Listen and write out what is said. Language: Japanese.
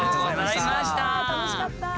楽しかった！